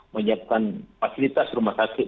menyiapkan fasilitas rumah sakit